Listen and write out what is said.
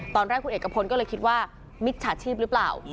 ตอนแรกคุณเอกพลก็เลยคิดว่ามิจฉาชีพหรือเปล่า